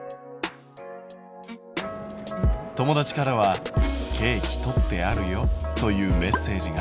友達からは「ケーキとってあるよ」というメッセージが。